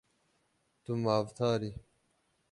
Tu mafdar î.